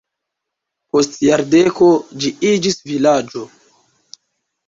Post jardeko ĝi iĝis vilaĝo.